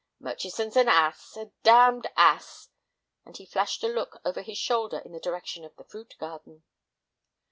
"Murchison's an ass—a damned ass," and he flashed a look over his shoulder in the direction of the fruit garden.